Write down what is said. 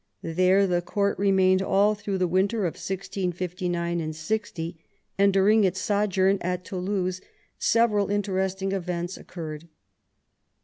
There the court remained all through the winter of 1659 60, and during its sojourn at Toulouse several interesting events occurred.